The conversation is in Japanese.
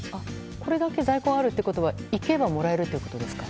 これだけ在庫があるってことは行けばもらえるってことですか？